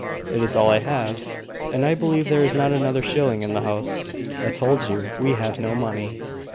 "It is all I have: and I believe there is not another shilling in the house. I told you we have no money."